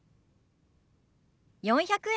４００円。